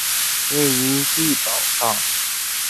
位于地垒上。